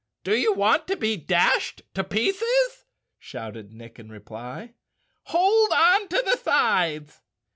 "Do you want to be dashed to pieces?" shouted Nick in reply. "Hold on to the sides."